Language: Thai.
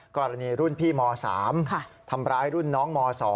กรณีรุ่นพี่ม๓ทำร้ายรุ่นน้องม๒